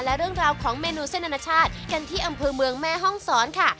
และเรื่องราวของเมนูเส้นอนาชาติกันที่อำเภอเมืองแม่ห้องศรค่ะ